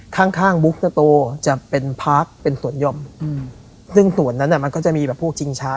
ข้างข้างจะเป็นเป็นส่วนยอมอืมซึ่งส่วนนั้นน่ะมันก็จะมีแบบพวกจิงช้า